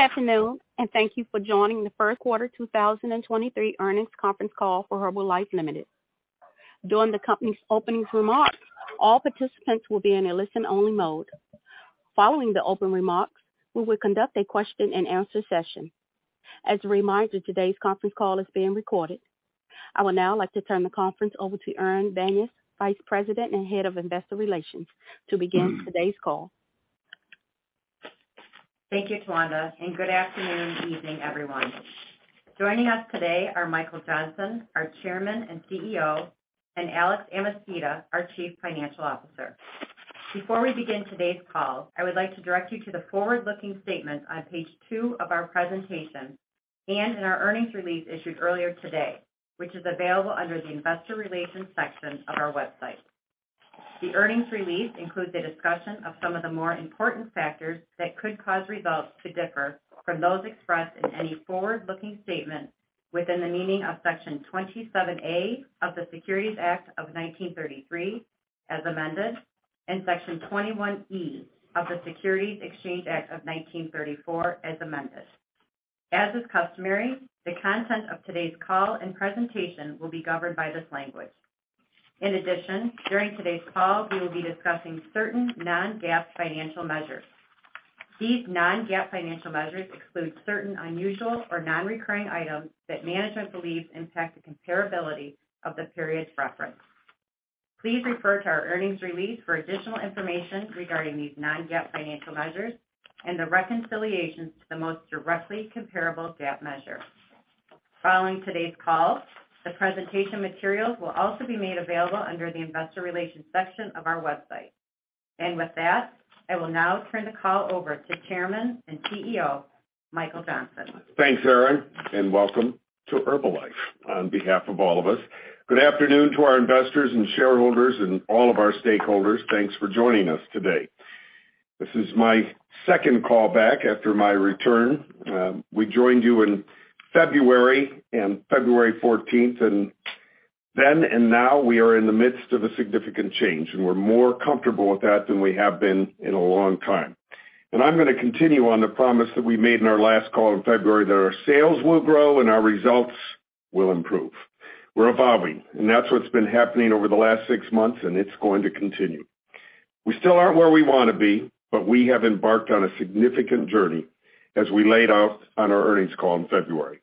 Good afternoon, and thank you for joining the first quarter 2023 earnings conference call for Herbalife Ltd. During the company's openings remarks, all participants will be in a listen-only mode. Following the opening remarks, we will conduct a question-and-answer session. As a reminder, today's conference call is being recorded. I would now like to turn the conference over to Erin Banyas, Vice President and Head of Investor Relations, to begin today's call. Thank you, Twanda, and good afternoon, evening, everyone. Joining us today are Michael Johnson, our Chairman and CEO, and Alex Amezquita, our Chief Financial Officer. Before we begin today's call, I would like to direct you to the forward-looking statements on page two of our presentation and in our earnings release issued earlier today, which is available under the investor relations section of our website. The earnings release includes a discussion of some of the more important factors that could cause results to differ from those expressed in any forward-looking statement within the meaning of Section 27A of the Securities Act of 1933 as amended and Section 21E of the Securities Exchange Act of 1934 as amended. As is customary, the content of today's call and presentation will be governed by this language. During today's call, we will be discussing certain non-GAAP financial measures. These non-GAAP financial measures exclude certain unusual or non-recurring items that management believes impact the comparability of the period's reference. Please refer to our earnings release for additional information regarding these non-GAAP financial measures and the reconciliations to the most directly comparable GAAP measure. Following today's call, the presentation materials will also be made available under the investor relations section of our website. With that, I will now turn the call over to Chairman and CEO, Michael Johnson. Thanks, Erin, welcome to Herbalife on behalf of all of us. Good afternoon to our investors and shareholders and all of our stakeholders. Thanks for joining us today. This is my second call back after my return. We joined you in February 14th, and now we are in the midst of a significant change, and we're more comfortable with that than we have been in a long time. I'm gonna continue on the promise that we made in our last call in February that our sales will grow and our results will improve. We're evolving, and that's what's been happening over the last six months, and it's going to continue. We still aren't where we wanna be, we have embarked on a significant journey as we laid out on our earnings call in February.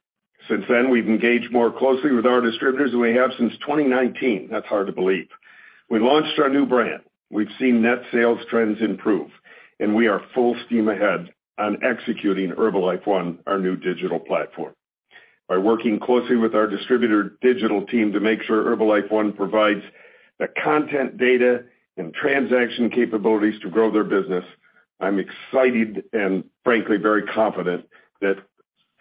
Since then, we've engaged more closely with our distributors than we have since 2019. That's hard to believe. We launched our new brand. We've seen net sales trends improve, and we are full steam ahead on executing Herbalife ONE, our new digital platform. By working closely with our distributor digital team to make sure Herbalife ONE provides the content data and transaction capabilities to grow their business, I'm excited and frankly very confident that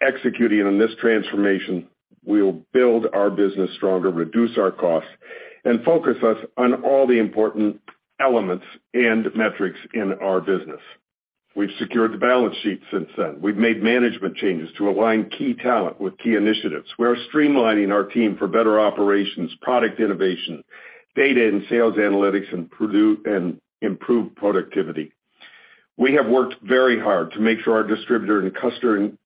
executing on this transformation will build our business stronger, reduce our costs, and focus us on all the important elements and metrics in our business. We've secured the balance sheet since then. We've made management changes to align key talent with key initiatives. We are streamlining our team for better operations, product innovation, data and sales analytics, and improved productivity. We have worked very hard to make sure our distributor and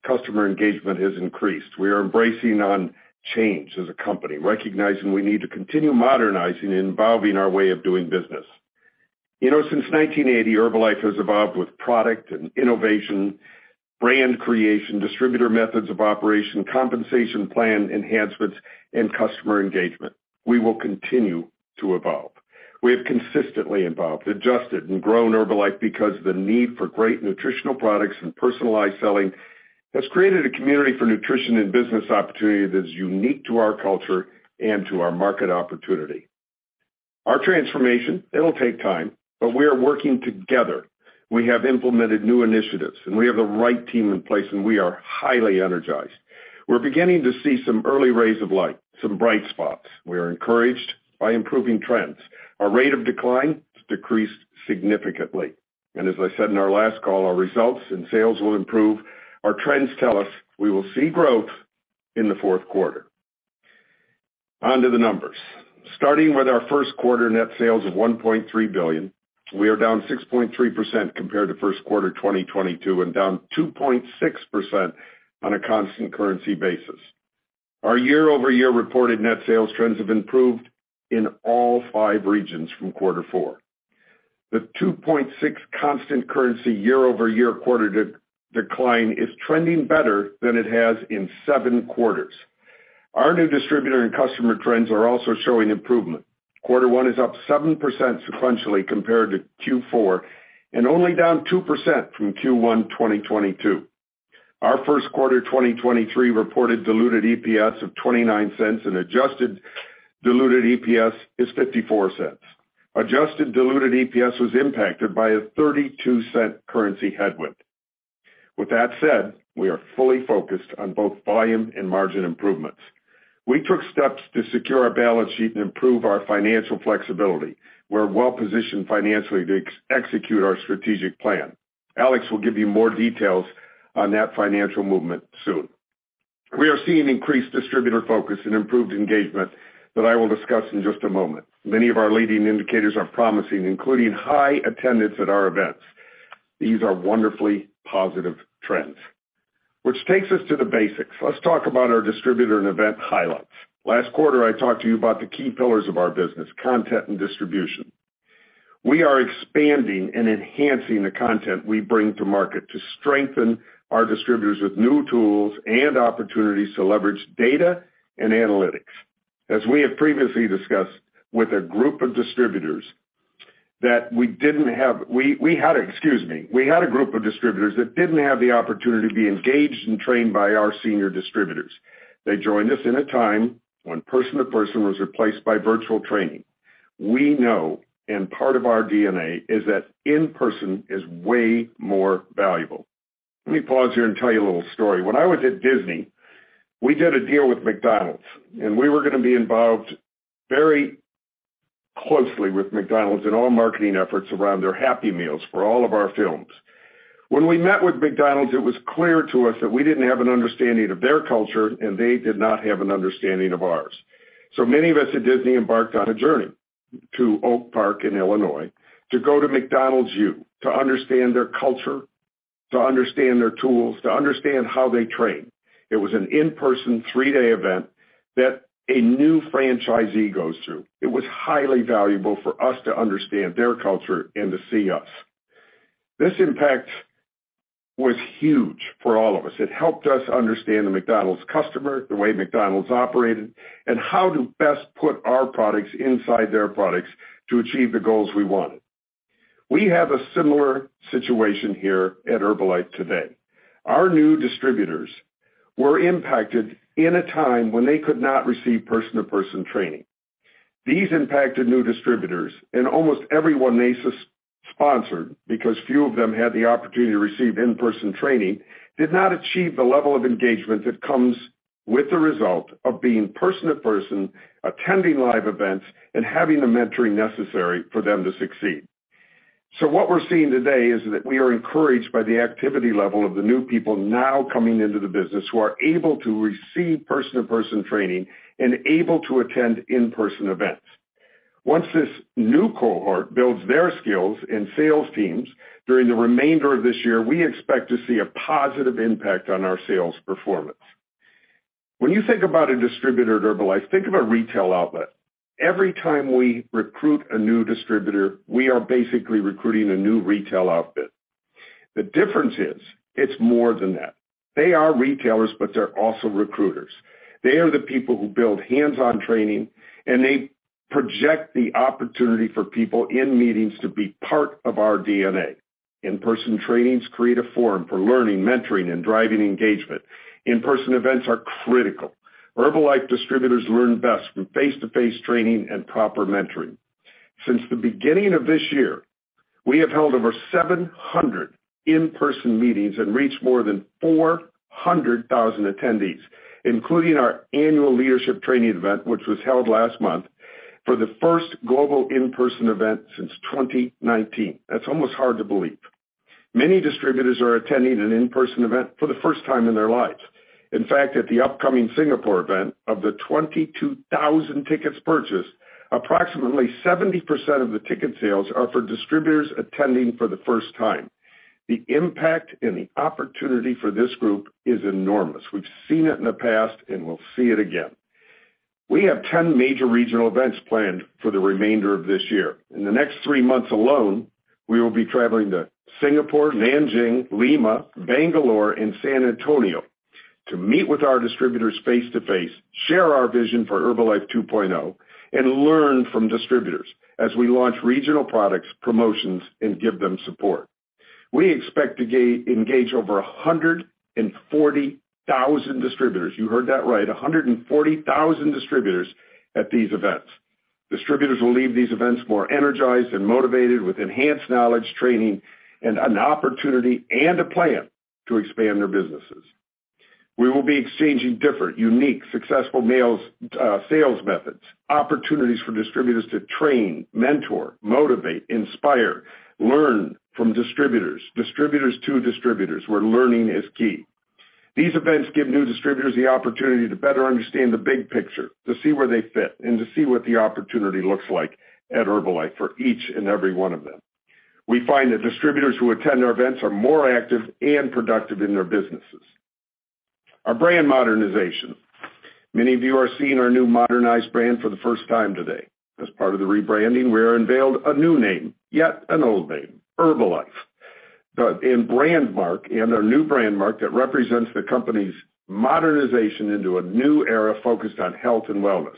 customer engagement has increased. We are embracing on change as a company, recognizing we need to continue modernizing and evolving our way of doing business. You know, since 1980, Herbalife has evolved with product and innovation, brand creation, distributor methods of operation, compensation plan enhancements, and customer engagement. We will continue to evolve. We have consistently evolved, adjusted, and grown Herbalife because the need for great nutritional products and personalized selling has created a community for nutrition and business opportunity that is unique to our culture and to our market opportunity. Our transformation, it'll take time, but we are working together. We have implemented new initiatives, and we have the right team in place, and we are highly energized. We're beginning to see some early rays of light, some bright spots. We are encouraged by improving trends. Our rate of decline has decreased significantly. As I said in our last call, our results and sales will improve. Our trends tell us we will see growth in the fourth quarter. On to the numbers. Starting with our first quarter net sales of $1.3 billion, we are down 6.3% compared to first quarter 2022 and down 2.6% on a constant currency basis. Our year-over-year reported net sales trends have improved in all five regions from quarter four. The 2.6 constant currency year-over-year quarter decline is trending better than it has in seven quarters. Our new distributor and customer trends are also showing improvement. Quarter one is up 7% sequentially compared to Q4 and only down 2% from Q1 2022. Our first quarter 2023 reported diluted EPS of $0.29 and adjusted diluted EPS is $0.54. Adjusted diluted EPS was impacted by a $0.32 currency headwind. We are fully focused on both volume and margin improvements. We took steps to secure our balance sheet and improve our financial flexibility. We're well-positioned financially to execute our strategic plan. Alex will give you more details on that financial movement soon. We are seeing increased distributor focus and improved engagement that I will discuss in just a moment. Many of our leading indicators are promising, including high attendance at our events. These are wonderfully positive trends, which takes us to the basics. Let's talk about our distributor and event highlights. Last quarter, I talked to you about the key pillars of our business, content and distribution. We are expanding and enhancing the content we bring to market to strengthen our distributors with new tools and opportunities to leverage data and analytics. As we have previously discussed, we had a group of distributors that didn't have the opportunity to be engaged and trained by our senior distributors. They joined us in a time when person-to-person was replaced by virtual training. We know, and part of our DNA is that in-person is way more valuable. Let me pause here and tell you a little story. When I was at Disney, we did a deal with McDonald's, and we were gonna be involved very closely with McDonald's in all marketing efforts around their Happy Meal for all of our films. When we met with McDonald's, it was clear to us that we didn't have an understanding of their culture, and they did not have an understanding of ours. Many of us at Disney embarked on a journey to Oak Park in Illinois to go to McDonald's U, to understand their culture, to understand their tools, to understand how they train. It was an in-person three-day event that a new franchisee goes through. It was highly valuable for us to understand their culture and to see us. This impact was huge for all of us. It helped us understand the McDonald's customer, the way McDonald's operated, and how to best put our products inside their products to achieve the goals we wanted. We have a similar situation here at Herbalife today. Our new distributors were impacted in a time when they could not receive person to person training. These impacted new distributors and almost everyone they sponsored because few of them had the opportunity to receive in-person training, did not achieve the level of engagement that comes with the result of being person to person, attending live events, and having the mentoring necessary for them to succeed. What we're seeing today is that we are encouraged by the activity level of the new people now coming into the business who are able to receive person to person training and able to attend in-person events. Once this new cohort builds their skills and sales teams during the remainder of this year, we expect to see a positive impact on our sales performance. When you think about a distributor at Herbalife, think of a retail outlet. Every time we recruit a new distributor, we are basically recruiting a new retail outfit. The difference is it's more than that. They are retailers, they're also recruiters. They are the people who build hands-on training, they project the opportunity for people in meetings to be part of our DNA. In-person trainings create a forum for learning, mentoring, and driving engagement. In-person events are critical. Herbalife distributors learn best from face-to-face training and proper mentoring. Since the beginning of this year, we have held over 700 in-person meetings and reached more than 400,000 attendees, including our annual leadership training event, which was held last month for the first global in-person event since 2019. That's almost hard to believe. Many distributors are attending an in-person event for the first time in their lives. In fact, at the upcoming Singapore event, of the 22,000 tickets purchased, approximately 70% of the ticket sales are for distributors attending for the first time. The impact and the opportunity for this group is enormous. We've seen it in the past, we'll see it again. We have 10 major regional events planned for the remainder of this year. In the next 3 months alone, we will be traveling to Singapore, Nanjing, Lima, Bangalore, and San Antonio to meet with our distributors face to face, share our vision for Herbalife 2.0, and learn from distributors as we launch regional products, promotions, and give them support. We expect to engage over 140,000 distributors. You heard that right, 140,000 distributors at these events. Distributors will leave these events more energized and motivated with enhanced knowledge, training, and an opportunity and a plan to expand their businesses. We will be exchanging different, unique, successful sales methods, opportunities for distributors to train, mentor, motivate, inspire, learn from distributors to distributors, where learning is key. These events give new distributors the opportunity to better understand the big picture, to see where they fit, and to see what the opportunity looks like at Herbalife for each and every one of them. We find that distributors who attend our events are more active and productive in their businesses. Our brand modernization. Many of you are seeing our new modernized brand for the first time today. As part of the rebranding, we have unveiled a new name, yet an old name, Herbalife. In our new brand mark that represents the company's modernization into a new era focused on health and wellness.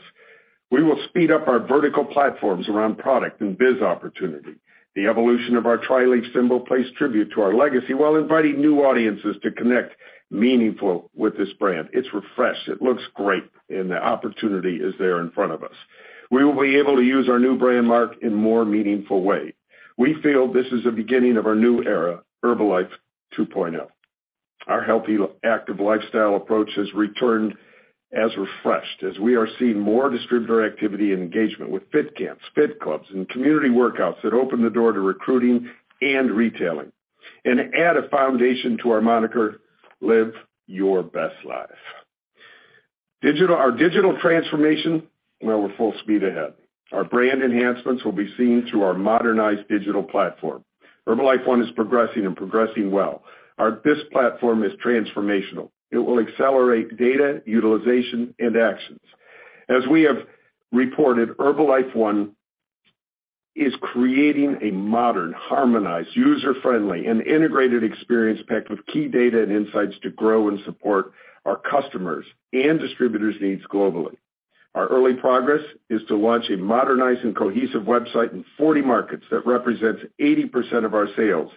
We will speed up our vertical platforms around product and biz opportunity. The evolution of our tri-leaf symbol pays tribute to our legacy while inviting new audiences to connect meaningful with this brand. It's refreshed, it looks great, the opportunity is there in front of us. We will be able to use our new brand mark in more meaningful way. We feel this is the beginning of our new era, Herbalife 2.0. Our healthy, active lifestyle approach has returned as refreshed as we are seeing more distributor activity and engagement with fit camps, fit clubs, and community workouts that open the door to recruiting and retailing. Add a foundation to our moniker, "Live Your Best Life." Digital, our digital transformation, well, we're full speed ahead. Our brand enhancements will be seen through our modernized digital platform. Herbalife One is progressing well. This platform is transformational. It will accelerate data, utilization, and actions. As we have reported, Herbalife One is creating a modern, harmonized, user-friendly, and integrated experience packed with key data and insights to grow and support our customers and distributors' needs globally. Our early progress is to launch a modernized and cohesive website in 40 markets that represents 80% of our sales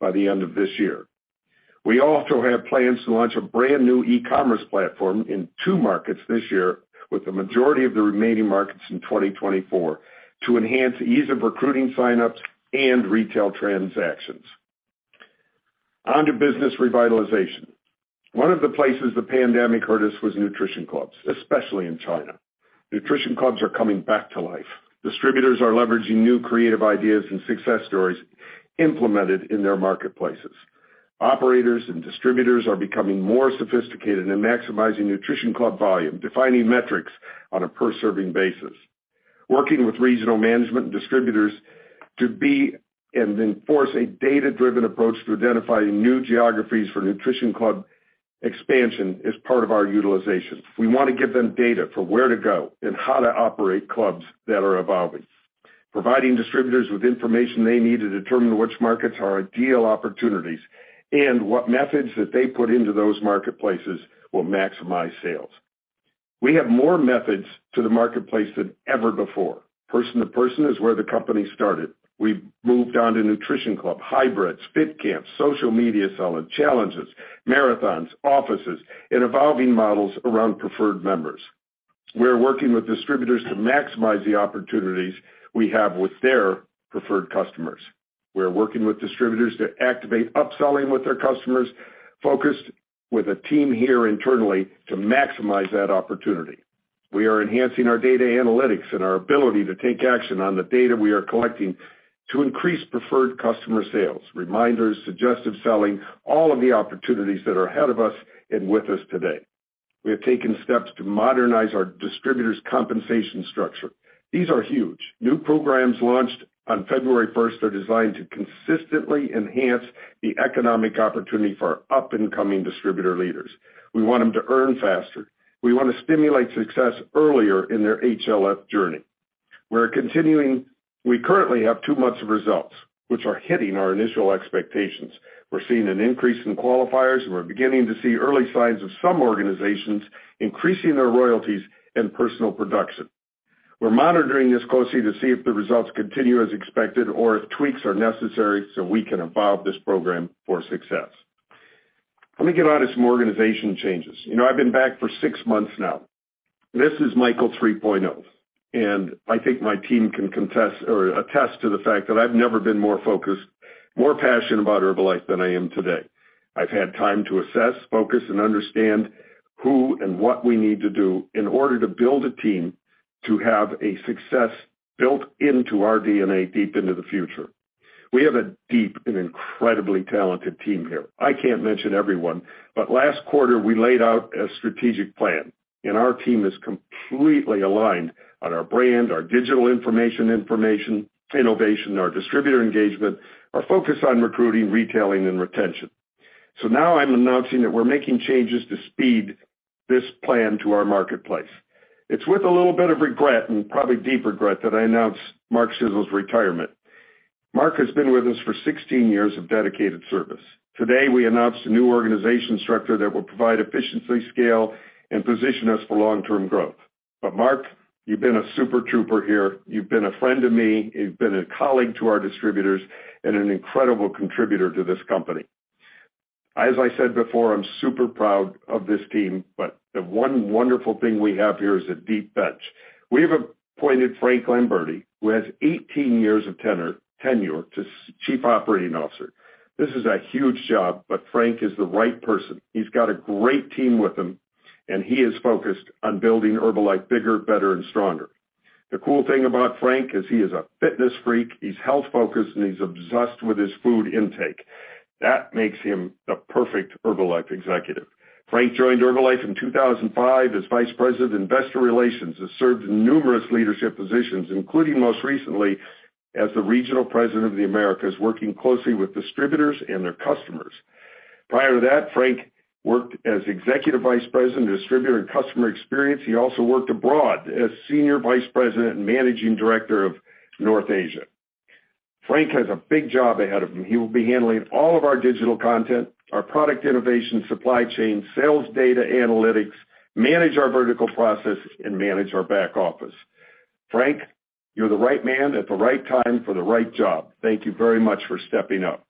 by the end of this year. We also have plans to launch a brand-new e-commerce platform in two markets this year, with the majority of the remaining markets in 2024, to enhance ease of recruiting sign-ups and retail transactions. On to business revitalization. One of the places the pandemic hurt us was Nutrition Clubs, especially in China. Nutrition Clubs are coming back to life. Distributors are leveraging new creative ideas and success stories implemented in their marketplaces. Operators and distributors are becoming more sophisticated in maximizing Nutrition Club volume, defining metrics on a per-serving basis. Working with regional management and distributors to be and enforce a data-driven approach to identifying new geographies for Nutrition Club expansion is part of our utilization. We want to give them data for where to go and how to operate clubs that are evolving, providing distributors with information they need to determine which markets are ideal opportunities and what methods that they put into those marketplaces will maximize sales. We have more methods to the marketplace than ever before. Person-to-person is where the company started. We've moved on to Nutrition Club, hybrids, fit camps, social media selling, challenges, marathons, offices, and evolving models around preferred members. We're working with distributors to maximize the opportunities we have with their preferred customers. We're working with distributors to activate upselling with their customers, focused with a team here internally to maximize that opportunity. We are enhancing our data analytics and our ability to take action on the data we are collecting to increase preferred customer sales, reminders, suggestive selling, all of the opportunities that are ahead of us and with us today. We have taken steps to modernize our distributors' compensation structure. These are huge. New programs launched on February first are designed to consistently enhance the economic opportunity for our up-and-coming distributor leaders. We want them to earn faster. We want to stimulate success earlier in their HLF journey. We currently have two months of results, which are hitting our initial expectations. We're seeing an increase in qualifiers, and we're beginning to see early signs of some organizations increasing their royalties and personal production. We're monitoring this closely to see if the results continue as expected or if tweaks are necessary so we can evolve this program for success. Let me get on to some organization changes. You know, I've been back for six months now. This is Michael 3.0, and I think my team can contest or attest to the fact that I've never been more focused, more passionate about Herbalife than I am today. I've had time to assess, focus, and understand who and what we need to do in order to build a team to have a success built into our DNA deep into the future. We have a deep and incredibly talented team here. I can't mention everyone, but last quarter, we laid out a strategic plan and our team is completely aligned on our brand, our digital information, innovation, our distributor engagement, our focus on recruiting, retailing, and retention. Now I'm announcing that we're making changes to speed this plan to our marketplace. It's with a little bit of regret and probably deep regret that I announce Mark Schissel's retirement. Mark has been with us for 16 years of dedicated service. Today, we announced a new organization structure that will provide efficiency, scale, and position us for long-term growth. Mark, you've been a super trooper here. You've been a friend to me, you've been a colleague to our distributors, and an incredible contributor to this company. As I said before, I'm super proud of this team. The one wonderful thing we have here is a deep bench. We have appointed Frank Lamberti, who has 18 years of tenure to Chief Operating Officer. This is a huge job. Frank is the right person. He's got a great team with him. He is focused on building Herbalife bigger, better, and stronger. The cool thing about Frank is he is a fitness freak, he's health-focused, and he's obsessed with his food intake. That makes him the perfect Herbalife executive. Frank joined Herbalife in 2005 as vice president of investor relations, has served in numerous leadership positions, including most recently as the Regional President of the Americas, working closely with distributors and their customers. Prior to that, Frank worked as Executive Vice President of Distributor and Customer Experience. He also worked abroad as Senior Vice President and Managing Director of North Asia. Frank has a big job ahead of him. He will be handling all of our digital content, our product innovation, supply chain, sales data analytics, manage our vertical process, and manage our back office. Frank, you're the right man at the right time for the right job. Thank you very much for stepping up.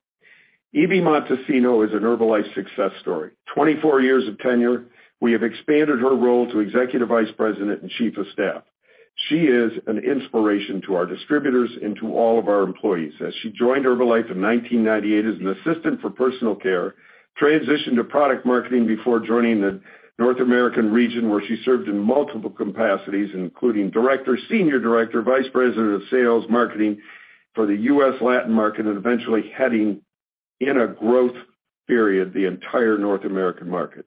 Ibi Montesino is an Herbalife success story. 24 years of tenure, we have expanded her role to Executive Vice President and Chief of Staff. She is an inspiration to our distributors and to all of our employees as she joined Herbalife in 1998 as an assistant for personal care, transitioned to product marketing before joining the North American region, where she served in multiple capacities, including director, senior director, vice president of sales, marketing for the U.S. Latin market, and eventually heading, in a growth period, the entire North American market.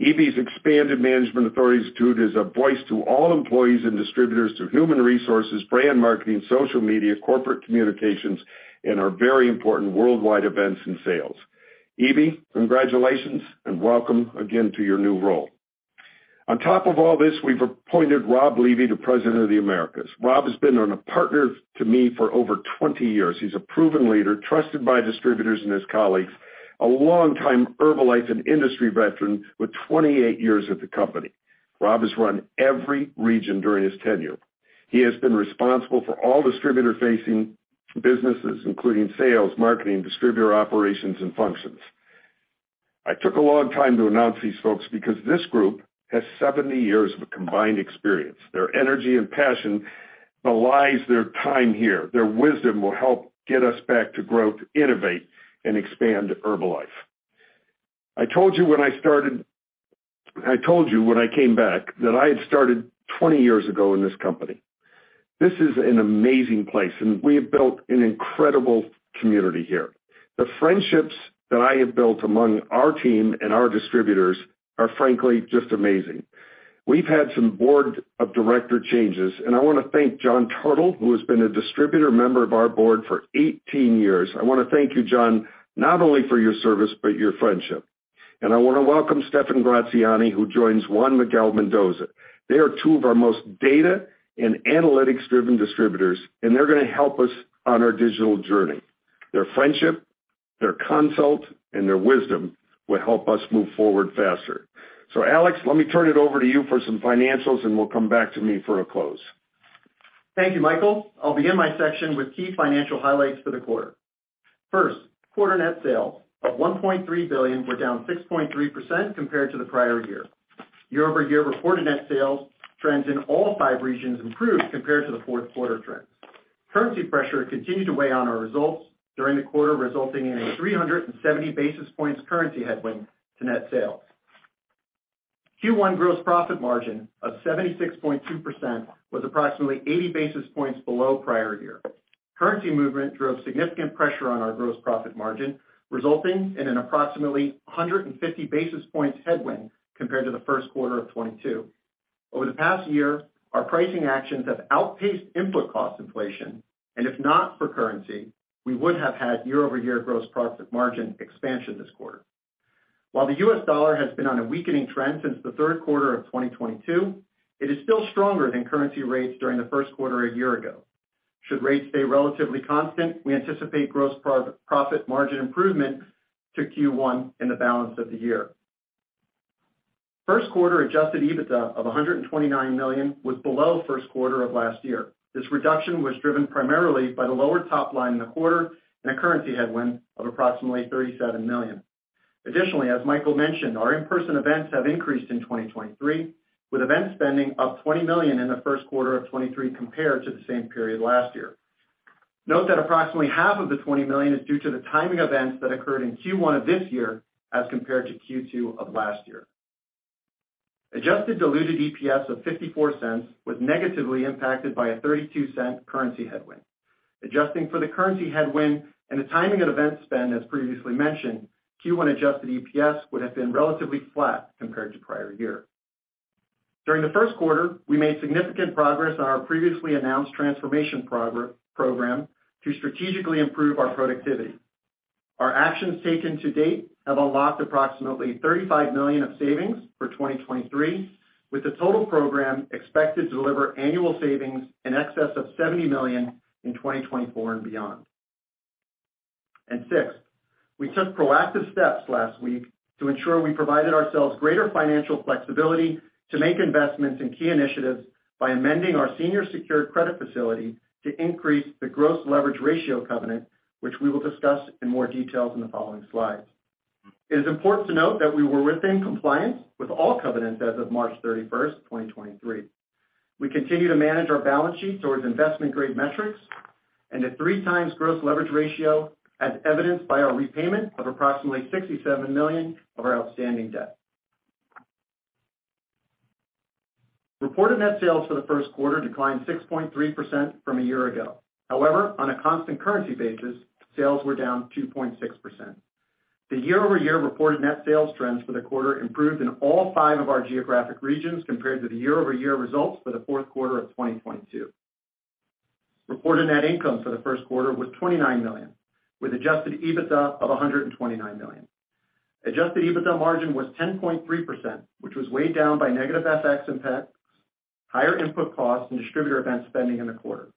Ibi's expanded management authority astute is a voice to all employees and distributors to human resources, brand marketing, social media, corporate communications, and our very important worldwide events and sales. Ibi, congratulations, and welcome again to your new role. On top of all this, we've appointed Rob Levy to President of the Americas. Rob has been on a partner to me for over 20 years. He's a proven leader, trusted by distributors and his colleagues, a long-time Herbalife, an industry veteran with 28 years at the company. Rob has run every region during his tenure. He has been responsible for all distributor-facing businesses, including sales, marketing, distributor operations, and functions. I took a long time to announce these folks because this group has 70 years of combined experience. Their energy and passion belies their time here. Their wisdom will help get us back to growth, innovate, and expand Herbalife. I told you when I came back that I had started 20 years ago in this company. This is an amazing place, and we have built an incredible community here. The friendships that I have built among our team and our distributors are, frankly, just amazing. We've had some Board of Director changes, I wanna thank John Tartol, who has been a distributor member of our Board for 18 years. I wanna thank you, John, not only for your service, but your friendship. I wanna welcome Stephan Gratziani, who joins Juan Miguel Mendoza. They are two of our most data and analytics-driven distributors, and they're gonna help us on our digital journey. Their friendship, their consult, and their wisdom will help us move forward faster. Alex Amezquita, let me turn it over to you for some financials, and we'll come back to me for a close. Thank you, Michael. I'll begin my section with key financial highlights for the quarter. Quarter net sales of $1.3 billion were down 6.3% compared to the prior year. Year-over-year reported net sales trends in all five regions improved compared to the fourth quarter trends. Currency pressure continued to weigh on our results during the quarter, resulting in a 370 basis points currency headwind to net sales. Q1 gross profit margin of 76.2% was approximately 80 basis points below prior year. Currency movement drove significant pressure on our gross profit margin, resulting in an approximately 150 basis points headwind compared to the first quarter of 2022. Over the past year, our pricing actions have outpaced input cost inflation, if not for currency, we would have had year-over-year gross profit margin expansion this quarter. While the US dollar has been on a weakening trend since the third quarter of 2022, it is still stronger than currency rates during the first quarter a year ago. Should rates stay relatively constant, we anticipate gross profit margin improvement to Q1 in the balance of the year. First quarter adjusted EBITDA of $129 million was below first quarter of last year. This reduction was driven primarily by the lower top line in the quarter and a currency headwind of approximately $37 million. Additionally, as Michael mentioned, our in-person events have increased in 2023, with event spending up $20 million in the first quarter of 2023 compared to the same period last year. Note that approximately half of the $20 million is due to the timing events that occurred in Q1 of this year as compared to Q2 of last year. Adjusted diluted EPS of $0.54 was negatively impacted by a $0.32 currency headwind. Adjusting for the currency headwind and the timing of event spend, as previously mentioned, Q1 adjusted EPS would have been relatively flat compared to prior year. During the first quarter, we made significant progress on our previously announced transformation program to strategically improve our productivity. Our actions taken to date have unlocked approximately $35 million of savings for 2023, with the total program expected to deliver annual savings in excess of $70 million in 2024 and beyond. Sixth, we took proactive steps last week to ensure we provided ourselves greater financial flexibility to make investments in key initiatives by amending our senior secured credit facility to increase the gross leverage ratio covenant, which we will discuss in more details in the following slides. It is important to note that we were within compliance with all covenants as of March 31st, 2023. We continue to manage our balance sheet towards investment-grade metrics and a 3x gross leverage ratio as evidenced by our repayment of approximately $67 million of our outstanding debt. Reported net sales for the first quarter declined 6.3% from a year ago. However, on a constant currency basis, sales were down 2.6%. The year-over-year reported net sales trends for the quarter improved in all five of our geographic regions compared to the year-over-year results for the fourth quarter of 2022. Reported net income for the first quarter was $29 million, with adjusted EBITDA of $129 million. Adjusted EBITDA margin was 10.3%, which was weighed down by negative FX impacts, higher input costs, and distributor event spending in the quarter.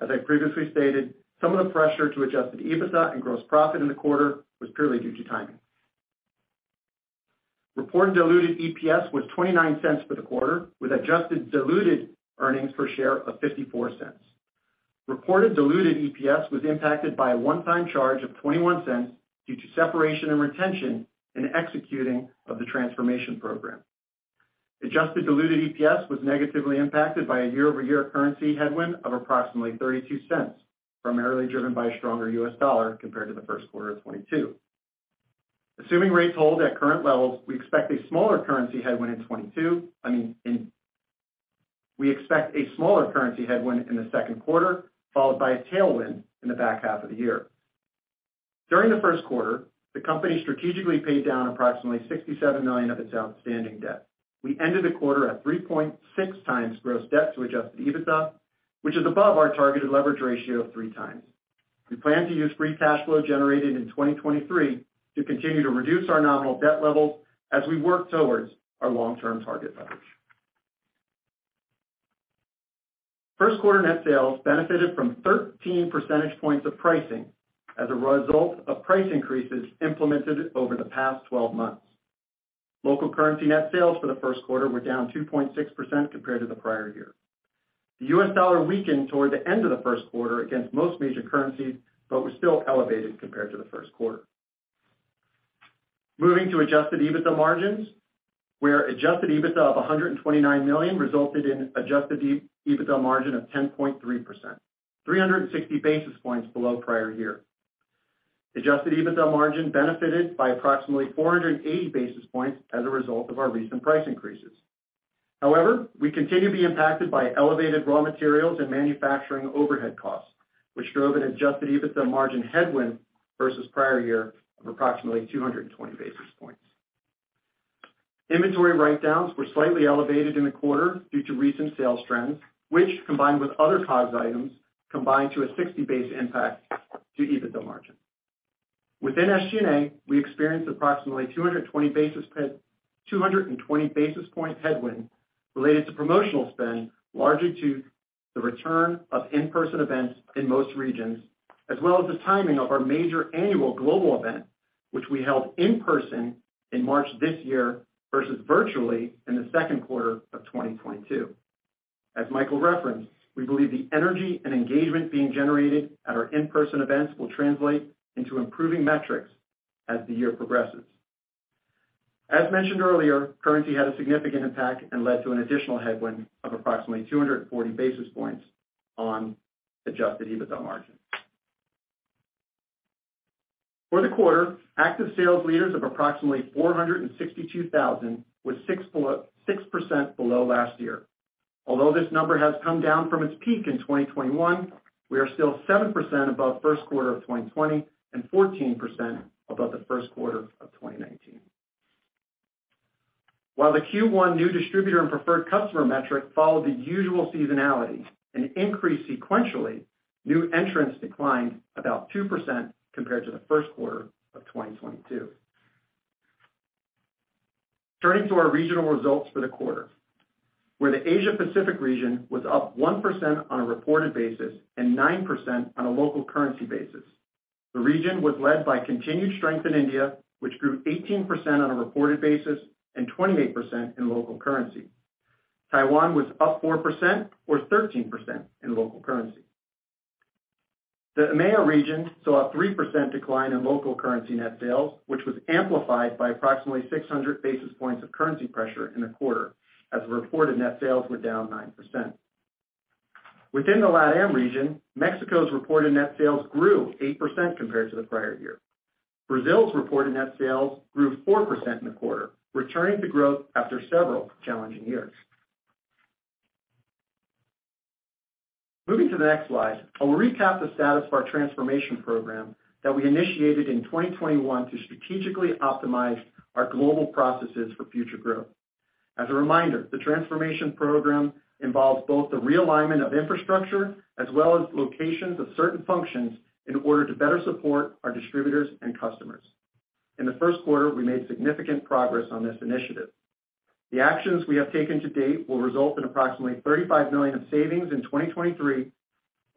As I previously stated, some of the pressure to adjusted EBITDA and gross profit in the quarter was purely due to timing. Reported diluted EPS was $0.29 for the quarter, with adjusted diluted earnings per share of $0.54. Reported diluted EPS was impacted by a one-time charge of $0.21 due to separation and retention in executing of the transformation program. Adjusted diluted EPS was negatively impacted by a year-over-year currency headwind of approximately $0.32, primarily driven by a stronger US dollar compared to the first quarter of 2022. Assuming rates hold at current levels, we expect a smaller currency headwind in the second quarter, followed by a tailwind in the back half of the year. During the first quarter, the company strategically paid down approximately $67 million of its outstanding debt. We ended the quarter at 3.6x gross debt to adjusted EBITDA, which is above our targeted leverage ratio of 3x. We plan to use free cash flow generated in 2023 to continue to reduce our nominal debt levels as we work towards our long-term target leverage. First quarter net sales benefited from 13 percentage points of pricing as a result of price increases implemented over the past 12 months. Local currency net sales for the first quarter were down 2.6% compared to the prior year. The US dollar weakened toward the end of the first quarter against most major currencies, but was still elevated compared to the first quarter. Moving to adjusted EBITDA margins, where adjusted EBITDA of $129 million resulted in adjusted EBITDA margin of 10.3%, 360 basis points below prior year. Adjusted EBITDA margin benefited by approximately 480 basis points as a result of our recent price increases. However, we continue to be impacted by elevated raw materials and manufacturing overhead costs, which drove an adjusted EBITDA margin headwind versus prior year of approximately 220 basis points. Inventory write-downs were slightly elevated in the quarter due to recent sales trends, which combined with other COGS items, combined to a 60 base impact to EBITDA margin. Within SG&A, we experienced approximately 220 basis point headwind related to promotional spend, largely to the return of in-person events in most regions, as well as the timing of our major annual global event, which we held in person in March this year versus virtually in the 2Q of 2022. As Michael referenced, we believe the energy and engagement being generated at our in-person events will translate into improving metrics as the year progresses. As mentioned earlier, currency had a significant impact and led to an additional headwind of approximately 240 basis points on adjusted EBITDA margin. For the quarter, active sales leaders of approximately 462,000 was 6% below last year. Although this number has come down from its peak in 2021, we are still 7% above first quarter of 2020 and 14% above the first quarter of 2019. While the Q1 new distributor and preferred customer metric followed the usual seasonality and increased sequentially, new entrants declined about 2% compared to the first quarter of 2022. Turning to our regional results for the quarter, where the Asia Pacific region was up 1% on a reported basis and 9% on a local currency basis. The region was led by continued strength in India, which grew 18% on a reported basis and 28% in local currency. Taiwan was up 4% or 13% in local currency. The EMEIA region saw a 3% decline in local currency net sales, which was amplified by approximately 600 basis points of currency pressure in the quarter as reported net sales were down 9%. Within the LATAM region, Mexico's reported net sales grew 8% compared to the prior year. Brazil's reported net sales grew 4% in the quarter, returning to growth after several challenging years. Moving to the next slide, I will recap the status of our transformation program that we initiated in 2021 to strategically optimize our global processes for future growth. As a reminder, the transformation program involves both the realignment of infrastructure as well as locations of certain functions in order to better support our distributors and customers. In the first quarter, we made significant progress on this initiative. The actions we have taken to date will result in approximately $35 million of savings in 2023,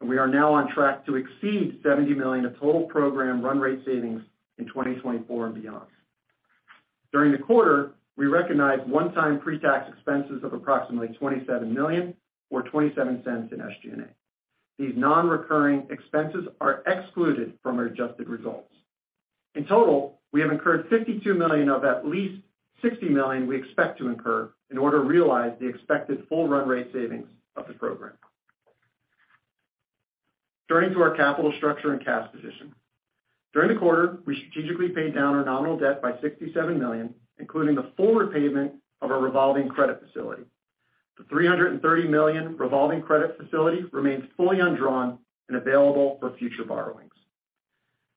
and we are now on track to exceed $70 million of total program run rate savings in 2024 and beyond. During the quarter, we recognized one-time pre-tax expenses of approximately $27 million or $0.27 in SG&A. These non-recurring expenses are excluded from our adjusted results. In total, we have incurred $52 million of at least $60 million we expect to incur in order to realize the expected full run rate savings of the program. Turning to our capital structure and cash position. During the quarter, we strategically paid down our nominal debt by $67 million, including the full repayment of our revolving credit facility. The $330 million revolving credit facility remains fully undrawn and available for future borrowings.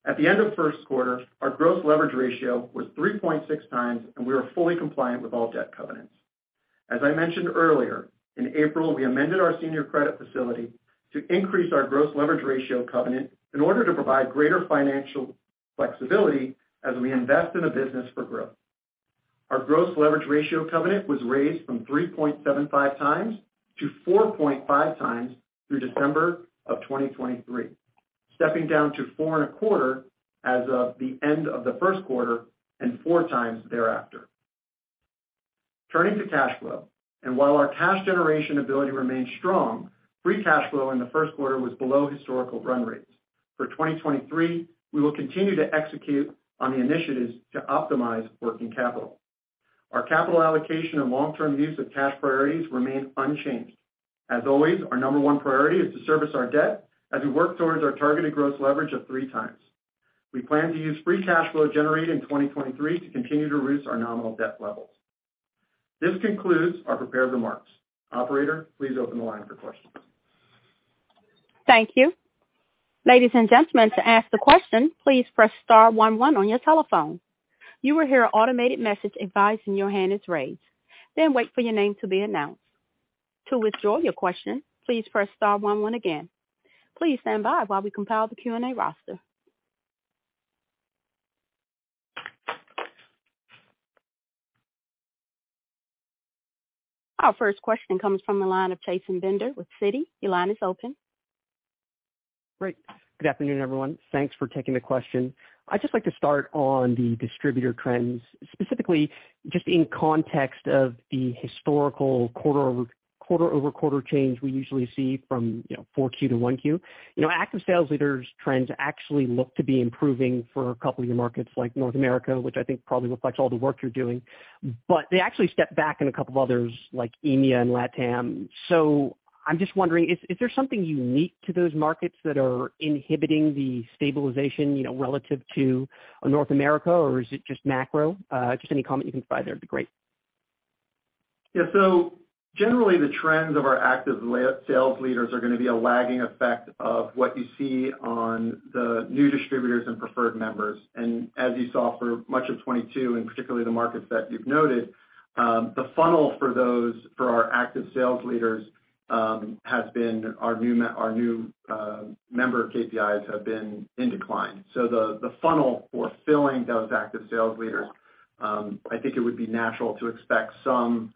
At the end of first quarter, our gross leverage ratio was 3.6x, we are fully compliant with all debt covenants. As I mentioned earlier, in April, we amended our senior credit facility to increase our gross leverage ratio covenant in order to provide greater financial flexibility as we invest in the business for growth. Our gross leverage ratio covenant was raised from 3.75x to 4.5x through December of 2023, stepping down to 4.25 as of the end of the first quarter and 4x thereafter. Turning to cash flow, while our cash generation ability remains strong, free cash flow in the first quarter was below historical run rates. For 2023, we will continue to execute on the initiatives to optimize working capital. Our capital allocation and long-term use of cash priorities remain unchanged. As always, our number one priority is to service our debt as we work towards our targeted gross leverage of 3x. We plan to use free cash flow generated in 2023 to continue to reduce our nominal debt levels. This concludes our prepared remarks. Operator, please open the line for questions. Thank you. Ladies and gentlemen, to ask the question, please press star one one on your telephone. You will hear an automated message advising your hand is raised. Wait for your name to be announced. To withdraw your question, please press star one one again. Please stand by while we compile the Q&A roster. Our first question comes from the line of Chasen Bender with Citi. Your line is open. Great. Good afternoon, everyone. Thanks for taking the question. I'd just like to start on the distributor trends, specifically just in context of the historical quarter-over-quarter change we usually see from, you know, 4Q to 1Q. You know, active sales leaders trends actually look to be improving for a couple of your markets like North America, which I think probably reflects all the work you're doing. They actually stepped back in a couple of others like EMEIA and LATAM. I'm just wondering, is there something unique to those markets that are inhibiting the stabilization, you know, relative to North America? Or is it just macro? Just any comment you can provide there would be great. Yeah. Generally the trends of our active sales leaders are gonna be a lagging effect of what you see on the new distributors and preferred members. As you saw for much of 2022, and particularly the markets that you've noted, the funnel for those, for our active sales leaders, has been our new member KPIs have been in decline. The funnel for filling those active sales leaders, I think it would be natural to expect some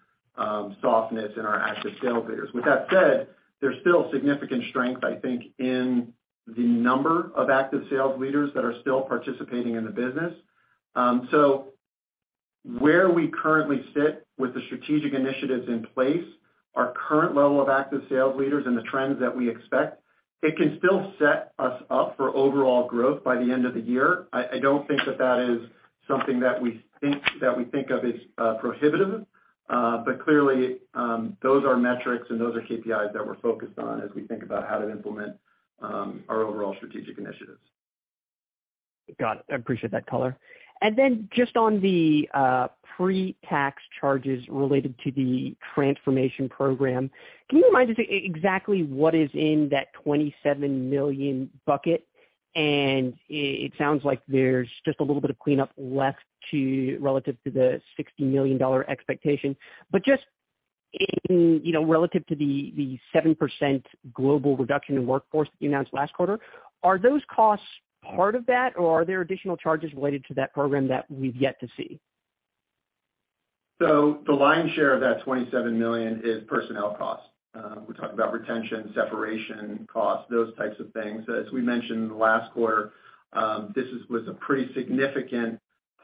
softness in our active sales leaders. With that said, there's still significant strength, I think, in the number of active sales leaders that are still participating in the business. Where we currently sit with the strategic initiatives in place, our current level of active sales leaders and the trends that we expect, it can still set us up for overall growth by the end of the year. I don't think that is something that we think of as prohibitive. Clearly, those are metrics and those are KPIs that we're focused on as we think about how to implement our overall strategic initiatives. Got it. I appreciate that color. Then just on the pre-tax charges related to the transformation program, can you remind us exactly what is in that $27 million bucket? It sounds like there's just a little bit of cleanup left to relative to the $60 million expectation. Just in, you know, relative to the 7% global reduction in workforce that you announced last quarter, are those costs part of that, or are there additional charges related to that program that we've yet to see? The lion's share of that $27 million is personnel costs. We talked about retention, separation costs, those types of things. As we mentioned last quarter, this was a pretty significant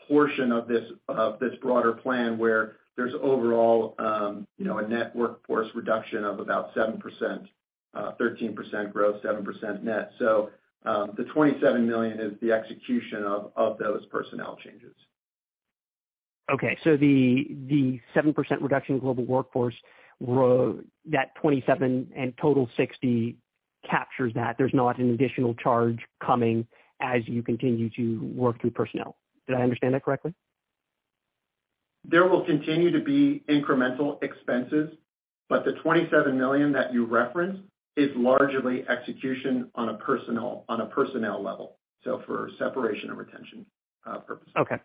portion of this, of this broader plan where there's overall, you know, a net workforce reduction of about 7%, 13% growth, 7% net. The $27 million is the execution of those personnel changes. Okay. the 7% reduction in global workforce that 27 and total 60 captures that. There's not an additional charge coming as you continue to work through personnel. Did I understand that correctly? There will continue to be incremental expenses, but the $27 million that you referenced is largely execution on a personal, on a personnel level, so for separation and retention, purposes. Okay.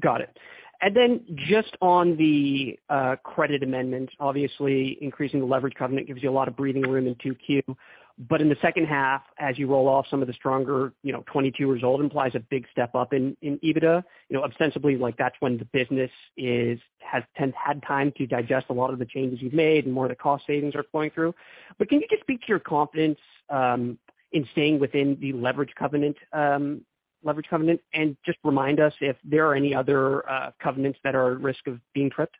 Got it. Then just on the credit amendment, obviously increasing the leverage covenant gives you a lot of breathing room in 2Q. In the second half, as you roll off some of the stronger, you know, 22 result implies a big step up in EBITDA. You know, ostensibly like that's when the business is, has had time to digest a lot of the changes you've made and more of the cost savings are flowing through. Can you just speak to your confidence in staying within the leverage covenant, and just remind us if there are any other covenants that are at risk of being tripped?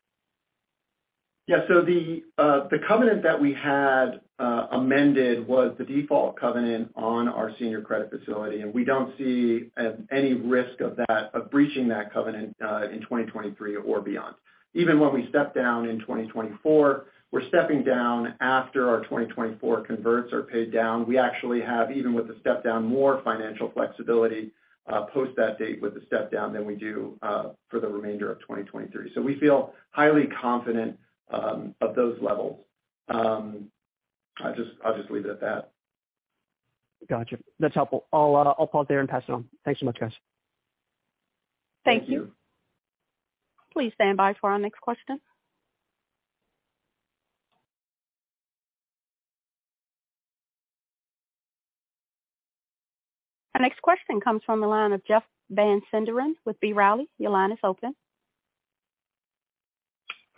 The covenant that we had amended was the default covenant on our senior credit facility, and we don't see any risk of that, of breaching that covenant in 2023 or beyond. Even when we step down in 2024, we're stepping down after our 2024 converts are paid down. We actually have, even with the step down, more financial flexibility post that date with the step down than we do for the remainder of 2023. We feel highly confident of those levels. I'll just, I'll just leave it at that. Gotcha. That's helpful. I'll pause there and pass it on. Thanks so much, guys. Thank you. Please stand by for our next question. Our next question comes from the line of Jeff Van Sinderen with B. Riley. Your line is open.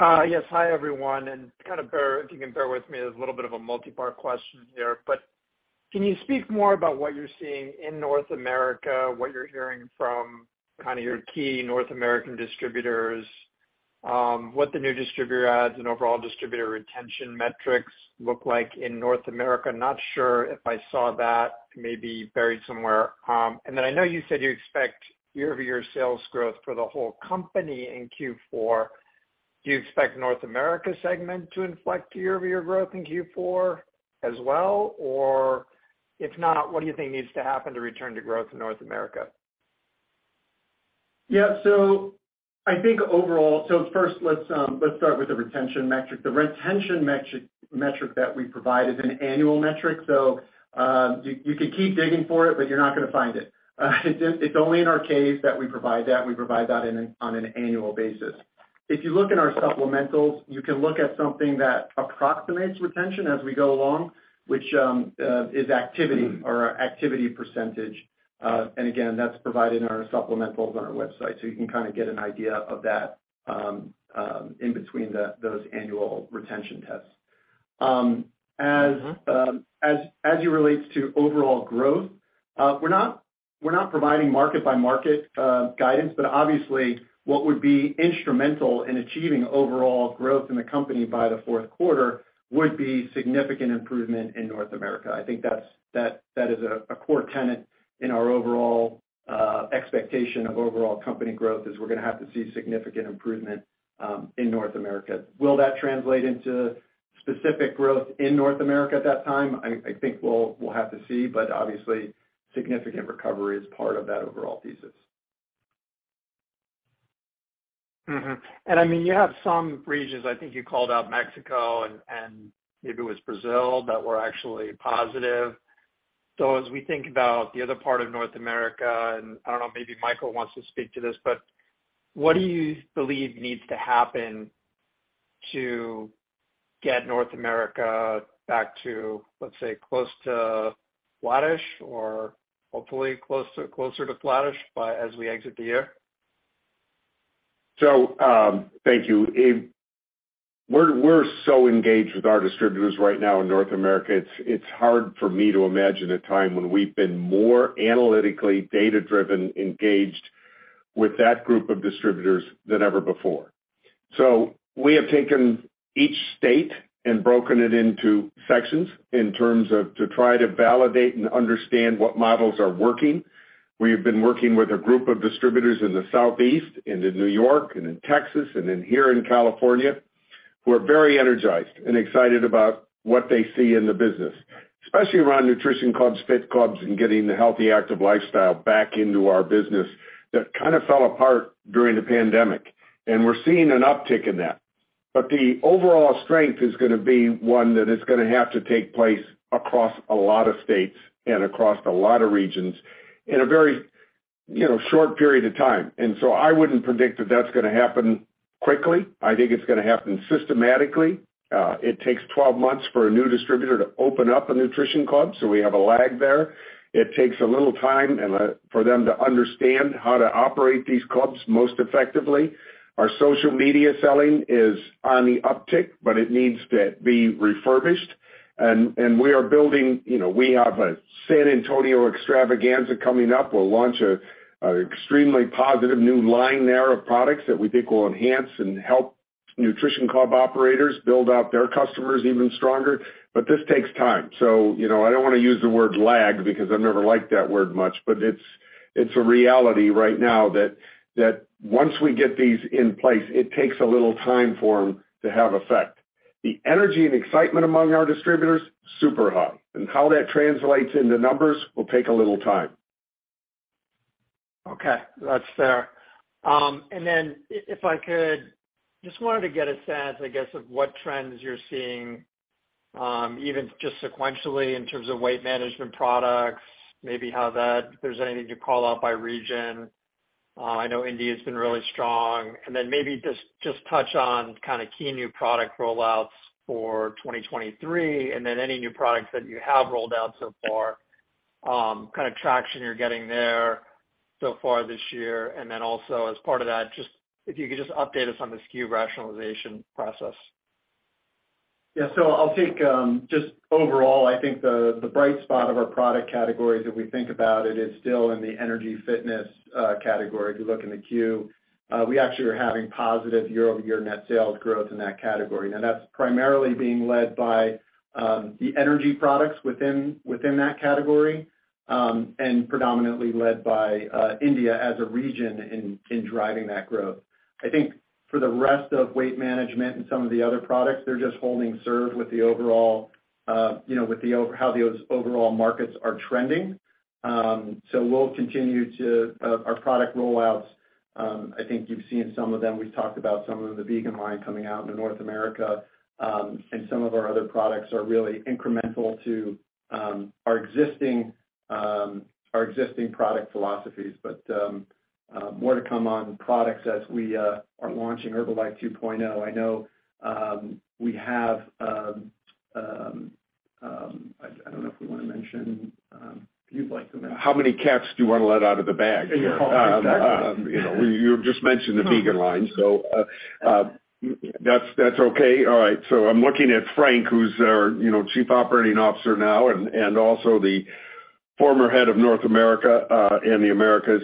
Yes. Hi, everyone, if you can bear with me, there's a little bit of a multi-part question here, but can you speak more about what you're seeing in North America, what you're hearing from kind of your key North American distributors, what the new distributor adds and overall distributor retention metrics look like in North America? Not sure if I saw that maybe buried somewhere. I know you said you expect year-over-year sales growth for the whole company in Q4. Do you expect North America segment to inflect year-over-year growth in Q4 as well? If not, what do you think needs to happen to return to growth in North America? Yeah. I think overall, first, let's start with the retention metric. The retention metric that we provide is an annual metric. You, you could keep digging for it, but you're not gonna find it. It's, it's only in our case that we provide that, we provide that on an annual basis. If you look in our supplementals, you can look at something that approximates retention as we go along, which is activity or activity percentage. Again, that's provided in our supplementals on our website, so you can kinda get an idea of that in between those annual retention tests. As it relates to overall growth, we're not providing market by market, guidance. Obviously, what would be instrumental in achieving overall growth in the company by the fourth quarter would be significant improvement in North America. I think that is a core tenet in our overall expectation of overall company growth, is we're gonna have to see significant improvement in North America. Will that translate into specific growth in North America at that time? I think we'll have to see. Obviously, significant recovery is part of that overall thesis. I mean, you have some regions, I think you called out Mexico and maybe it was Brazil, that were actually positive. As we think about the other part of North America, and I don't know, maybe Michael wants to speak to this, but what do you believe needs to happen to get North America back to, let's say, close to flattish or hopefully closer to flattish by as we exit the year? Thank you. We're so engaged with our distributors right now in North America. It's hard for me to imagine a time when we've been more analytically data-driven, engaged with that group of distributors than ever before. We have taken each state and broken it into sections in terms of to try to validate and understand what models are working. We have been working with a group of distributors in the Southeast and in New York and in Texas and in here in California, who are very energized and excited about what they see in the business, especially around Nutrition Clubs, fit clubs, and getting the healthy, active lifestyle back into our business that kind of fell apart during the pandemic. We're seeing an uptick in that. The overall strength is gonna be one that is gonna have to take place across a lot of states and across a lot of regions in a very, you know, short period of time. I wouldn't predict that that's gonna happen quickly. I think it's gonna happen systematically. It takes 12 months for a new distributor to open up a Nutrition Club, so we have a lag there. It takes a little time for them to understand how to operate these Nutrition Clubs most effectively. Our social media selling is on the uptick, but it needs to be refurbished. We are building... You know, we have a San Antonio extravaganza coming up. We'll launch a extremely positive new line there of products that we think will enhance and help Nutrition Club operators build out their customers even stronger. This takes time. You know, I don't wanna use the word lag because I've never liked that word much, but it's a reality right now that once we get these in place, it takes a little time for them to have effect. The energy and excitement among our distributors, super high. How that translates into numbers will take a little time. Okay. That's fair. If, if I could, just wanted to get a sense, I guess, of what trends you're seeing, even just sequentially in terms of weight management products, maybe how that, if there's anything you call out by region. I know India's been really strong. Maybe just touch on kinda key new product rollouts for 2023, and then any new products that you have rolled out so far, kind of traction you're getting there so far this year? Also as part of that, just if you could just update us on the SKU rationalization process? I'll take just overall, I think the bright spot of our product categories, if we think about it, is still in the energy fitness category. If you look in the queue, we actually are having positive year-over-year net sales growth in that category. That's primarily being led by the energy products within that category and predominantly led by India as a region in driving that growth. For the rest of weight management and some of the other products, they're just holding serve with the overall, you know, how those overall markets are trending. We'll continue to our product rollouts, I think you've seen some of them. We've talked about some of them, the vegan line coming out in North America, and some of our other products are really incremental to, our existing, our existing product philosophies. More to come on products as we are launching Herbalife 2.0. I know, we have, I don't know if we wanna mention, if you'd like to mention- How many cats do you wanna let out of the bag here? Yeah. Exactly. You know, you just mentioned the vegan line, that's okay. All right. I'm looking at Frank Lamberti, who's our, you know, Chief Operating Officer now and also the former head of North America and the Americas.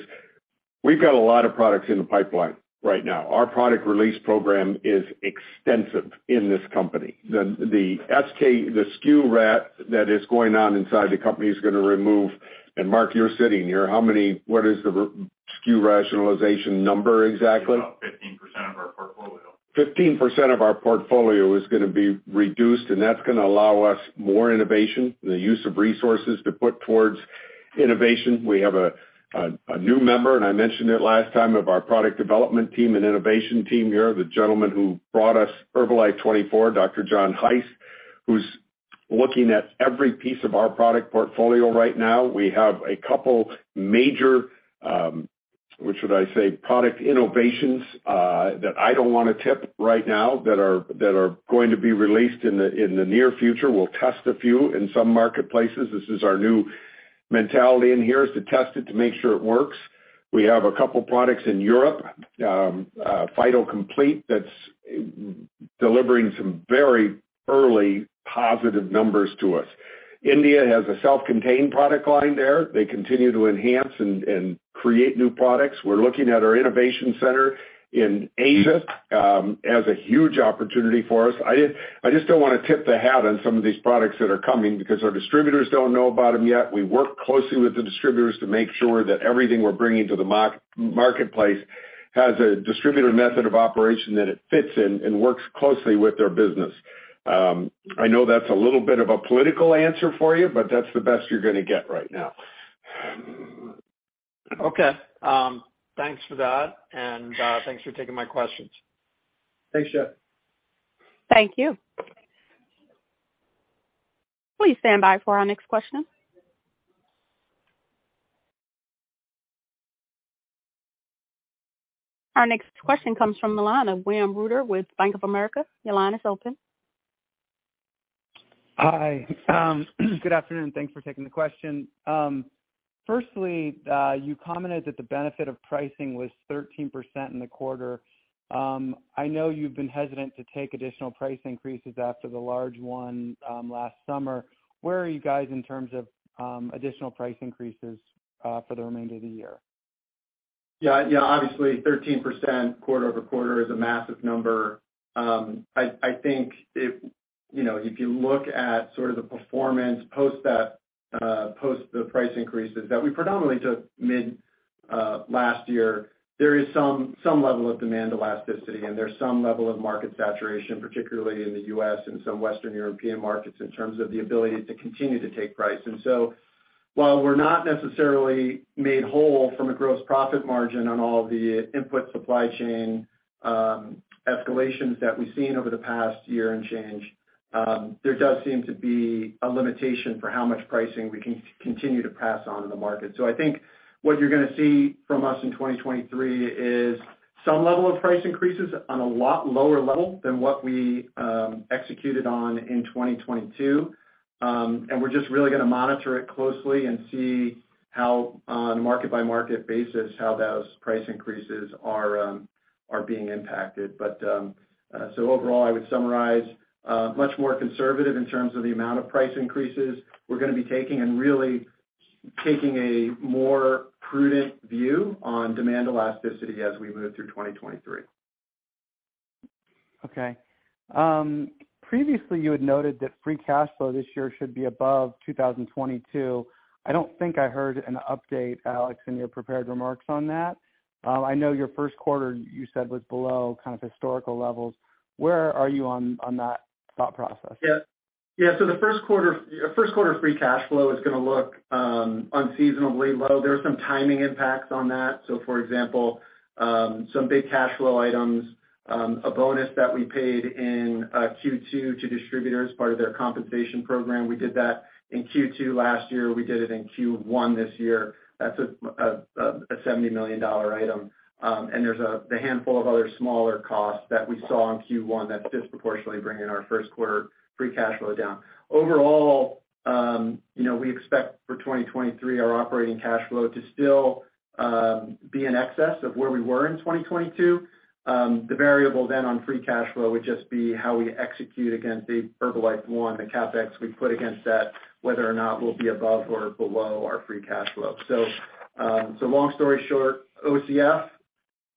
We've got a lot of products in the pipeline right now. Our product release program is extensive in this company. The SKU rat that is going on inside the company is gonna remove... Mark Schissel, you're sitting here. What is the SKU rationalization number exactly? About 15% of our portfolio. 15% of our portfolio is gonna be reduced, and that's gonna allow us more innovation, the use of resources to put towards innovation. We have a new member, and I mentioned it last time, of our product development team and innovation team here, the gentleman who brought us Herbalife24, Dr. John Heiss, who's looking at every piece of our product portfolio right now. We have a couple major, what should I say? Product innovations that I don't wanna tip right now that are going to be released in the near future. We'll test a few in some marketplaces. This is our new mentality in here is to test it to make sure it works. We have a couple products in Europe, Phyto Complete that's delivering some very early positive numbers to us. India has a self-contained product line there. They continue to enhance and create new products. We're looking at our innovation center in Asia as a huge opportunity for us. I just don't wanna tip the hat on some of these products that are coming because our distributors don't know about them yet. We work closely with the distributors to make sure that everything we're bringing to the marketplace has a distributor method of operation that it fits in and works closely with their business. I know that's a little bit of a political answer for you, but that's the best you're gonna get right now. Okay. Thanks for that and, thanks for taking my questions. Thanks, Jeff. Thank you. Please stand by for our next question. Our next question comes from the line of William Reuter with Bank of America. Your line is open. Hi. Good afternoon. Thanks for taking the question. Firstly, you commented that the benefit of pricing was 13% in the quarter. I know you've been hesitant to take additional price increases after the large one last summer. Where are you guys in terms of additional price increases for the remainder of the year? Yeah, yeah. Obviously, 13% quarter-over-quarter is a massive number. I think if, you know, if you look at sort of the performance post that, post the price increases that we predominantly took mid last year, there is some level of demand elasticity and there's some level of market saturation, particularly in the U.S. and some Western European markets in terms of the ability to continue to take price. While we're not necessarily made whole from a gross profit margin on all the input supply chain, escalations that we've seen over the past year and change, there does seem to be a limitation for how much pricing we can continue to pass on in the market. I think what you're gonna see from us in 2023 is some level of price increases on a lot lower level than what we executed on in 2022. We're just really gonna monitor it closely and see how on a market by market basis how those price increases are being impacted. Overall, I would summarize much more conservative in terms of the amount of price increases we're gonna be taking and really taking a more prudent view on demand elasticity as we move through 2023. Previously you had noted that free cash flow this year should be above 2022. I don't think I heard an update, Alex, in your prepared remarks on that. I know your first quarter you said was below kind of historical levels. Where are you on that thought process? The first quarter free cash flow is gonna look unseasonably low. There are some timing impacts on that. For example, some big cash flow items, a bonus that we paid in Q2 to distributors, part of their compensation program. We did that in Q2 last year. We did it in Q1 this year. That's a $70 million item. There's a handful of other smaller costs that we saw in Q1 that's disproportionately bringing our first quarter free cash flow down. Overall, you know, we expect for 2023 our operating cash flow to still be in excess of where we were in 2022. The variable then on free cash flow would just be how we execute against the Herbalife One, the CapEx we put against that, whether or not we'll be above or below our free cash flow. Long story short, OCF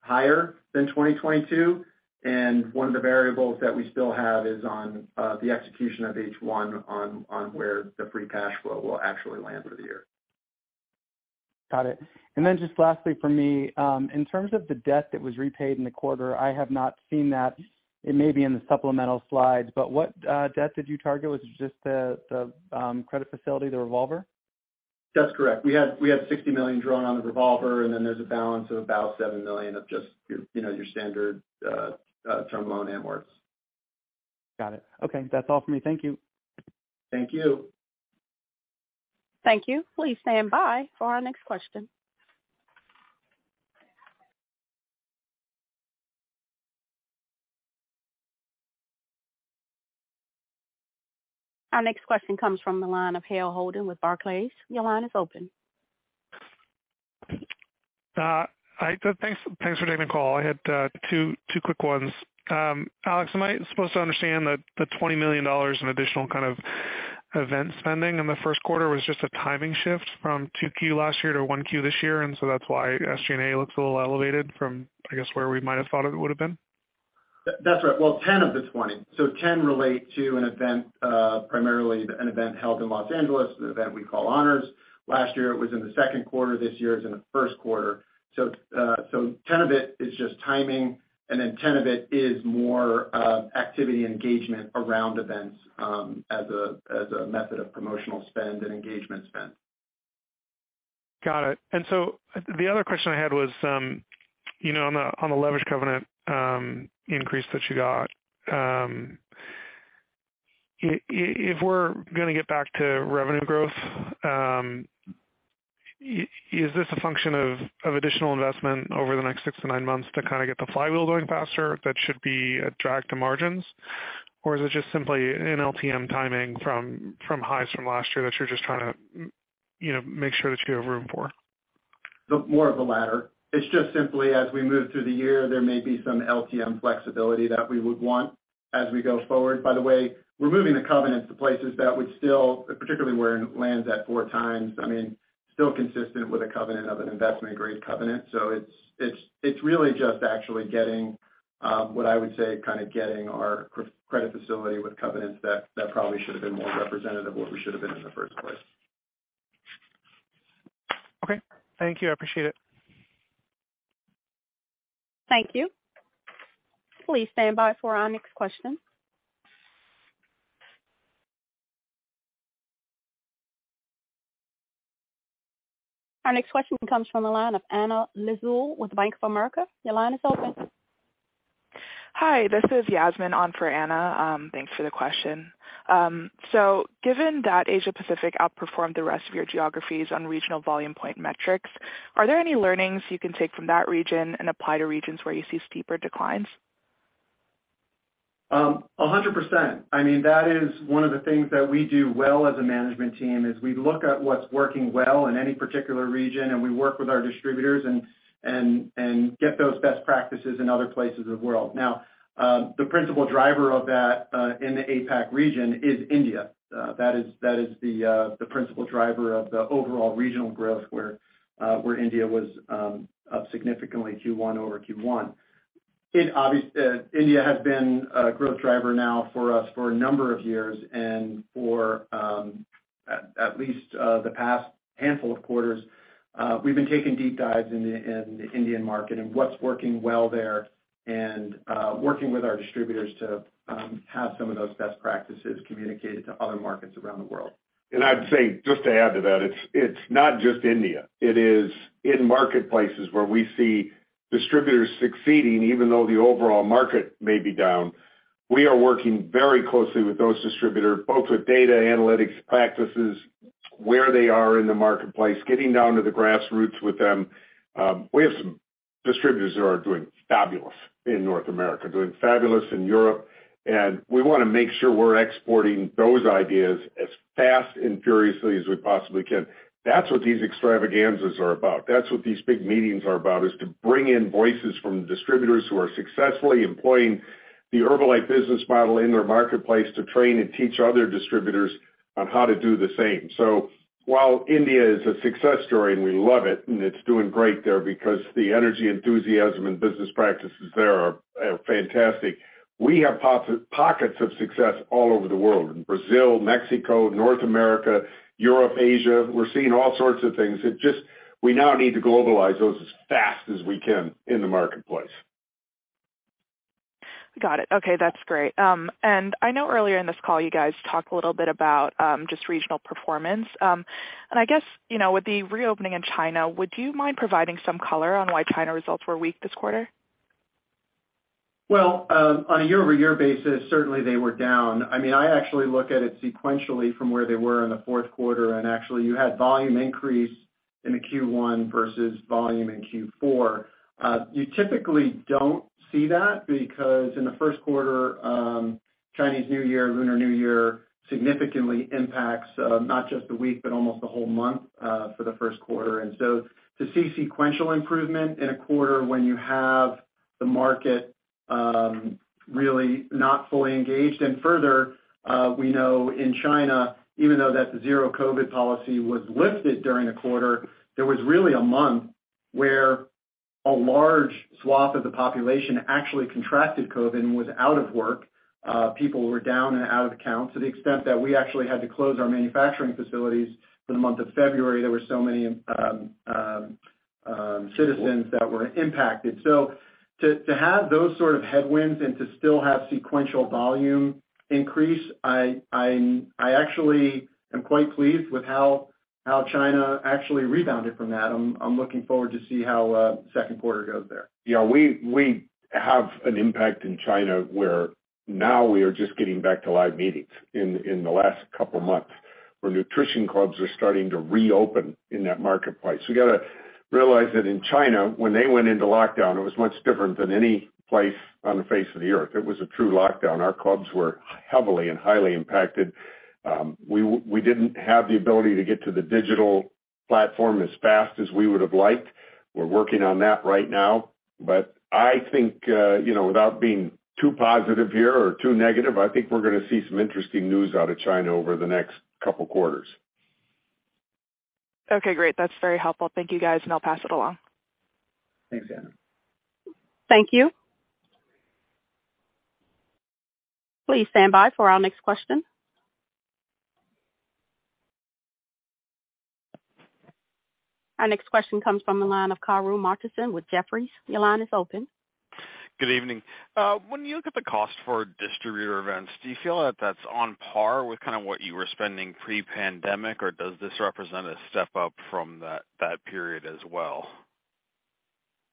higher than 2022, and one of the variables that we still have is on the execution of H1 on where the free cash flow will actually land for the year. Got it. Just lastly from me, in terms of the debt that was repaid in the quarter, I have not seen that. It may be in the supplemental slides, but what debt did you target? Was it just the credit facility, the revolver? That's correct. We had $60 million drawn on the revolver, then there's a balance of about $7 million of just your, you know, your standard term loan amorts. Got it. Okay. That's all for me. Thank you. Thank you. Thank you. Please stand by for our next question. Our next question comes from the line of Hale Holden with Barclays. Your line is open. Hi. Thanks, thanks for taking the call. I had two quick ones. Alex Amezquita, am I supposed to understand that the $20 million in additional kind of event spending in the first quarter was just a timing shift from 2Q last year to 1Q this year and so that's why SG&A looks a little elevated from, I guess, where we might have thought it would have been? That's right. Well, 10 of the 20. 10 relate to an event, primarily an event held in Los Angeles, an event we call Honors. Last year, it was in the second quarter. This year it's in the first quarter. 10 of it is just timing, and then 10 of it is more, activity engagement around events, as a, as a method of promotional spend and engagement spend. Got it. The other question I had was, you know, on the leverage covenant increase that you got, if we're gonna get back to revenue growth, is this a function of additional investment over the next six to nine months to kinda get the flywheel going faster that should be a drag to margins? Or is it just simply an LTM timing from highs from last year that you're just trying to, you know, make sure that you have room for? More of the latter. It's just simply as we move through the year, there may be some LTM flexibility that we would want as we go forward. By the way, we're moving the covenants to places that would still, particularly where it lands at 4 times, I mean, still consistent with a covenant of an investment-grade covenant. It's really just actually getting, what I would say, kinda getting our credit facility with covenants that probably should have been more representative of what we should have been in the first place. Okay. Thank you. I appreciate it. Thank you. Please stand by for our next question. Our next question comes from the line of Anna Lizzul with Bank of America. Your line is open. Hi, this is Yasmine on for Anna. Thanks for the question. Given that Asia Pacific outperformed the rest of your geographies on regional volume point metrics, are there any learnings you can take from that region and apply to regions where you see steeper declines? 100%. I mean, that is one of the things that we do well as a management team is we look at what's working well in any particular region, and we work with our distributors and get those best practices in other places of the world. Now, the principal driver of that in the APAC region is India. That is the principal driver of the overall regional growth where India was up significantly Q1 over Q1. India has been a growth driver now for us for a number of years and for at least the past handful of quarters, we've been taking deep dives in the Indian market and what's working well there and working with our distributors to have some of those best practices communicated to other markets around the world. I'd say, just to add to that, it's not just India. It is in marketplaces where we see distributors succeeding, even though the overall market may be down. We are working very closely with those distributors, both with data analytics practices, where they are in the marketplace, getting down to the grassroots with them. We have some distributors that are doing fabulous in North America, doing fabulous in Europe, and we wanna make sure we're exporting those ideas as fast and furiously as we possibly can. That's what these extravaganzas are about. That's what these big meetings are about, is to bring in voices from distributors who are successfully employing the Herbalife business model in their marketplace to train and teach other distributors on how to do the same. While India is a success story, and we love it, and it's doing great there because the energy, enthusiasm, and business practices there are fantastic, we have pockets of success all over the world. In Brazil, Mexico, North America, Europe, Asia. We're seeing all sorts of things. We now need to globalize those as fast as we can in the marketplace. Got it. Okay, that's great. I know earlier in this call you guys talked a little bit about just regional performance. I guess, you know, with the reopening in China, would you mind providing some color on why China results were weak this quarter? Well, on a year-over-year basis, certainly they were down. I mean, I actually look at it sequentially from where they were in the fourth quarter, and actually you had volume increase in Q1 versus volume in Q4. You typically don't see that because in the first quarter, Chinese New Year, Lunar New Year significantly impacts not just the week, but almost the whole month for the first quarter. To see sequential improvement in a quarter when you have the market really not fully engaged, and further, we know in China, even though that the zero COVID policy was lifted during the quarter, there was really a month where a large swath of the population actually contracted COVID and was out of work. People were down and out of count to the extent that we actually had to close our manufacturing facilities for the month of February. There were so many citizens that were impacted. To have those sort of headwinds and to still have sequential volume increase, I actually am quite pleased with how China actually rebounded from that. I'm looking forward to see how second quarter goes there. Yeah, we have an impact in China where now we are just getting back to live meetings in the last couple of months, where Nutrition Clubs are starting to reopen in that marketplace. You gotta realize that in China, when they went into lockdown, it was much different than any place on the face of the earth. It was a true lockdown. Our clubs were heavily and highly impacted. We didn't have the ability to get to the digital platform as fast as we would have liked. We're working on that right now. I think, you know, without being too positive here or too negative, I think we're gonna see some interesting news out of China over the next couple quarters. Okay, great. That's very helpful. Thank you, guys, and I'll pass it along. Thanks, Anna. Thank you. Please stand by for our next question. Our next question comes from the line of Karru Martinson with Jefferies. Your line is open. Good evening. When you look at the cost for distributor events, do you feel that that's on par with kind of what you were spending pre-pandemic, or does this represent a step up from that period as well?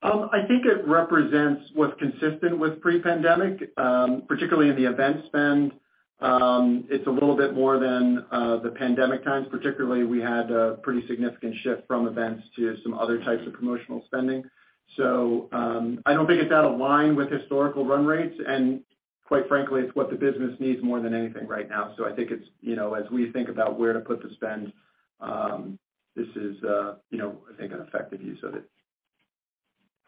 I think it represents what's consistent with pre-pandemic, particularly in the event spend. It's a little bit more than the pandemic times particularly. We had a pretty significant shift from events to some other types of promotional spending. I don't think it's out of line with historical run rates. Quite frankly, it's what the business needs more than anything right now. I think it's, you know, as we think about where to put the spend, this is, you know, I think an effective use of it.